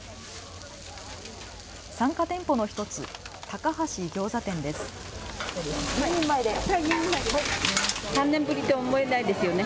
参加店舗の１つ、高橋餃子店です。